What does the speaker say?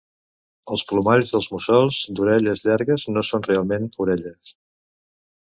Els plomalls dels mussols d'orelles llargues no són realment orelles